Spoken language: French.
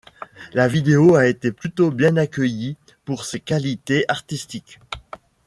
La vidéo a été plutôt bien accueillie pour ses qualités artistiques.